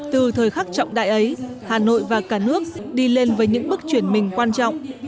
từ thời khắc trọng đại ấy hà nội và cả nước đi lên với những bước chuyển mình quan trọng